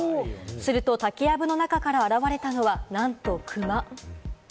すると竹やぶの中から現れたのは、なんと熊。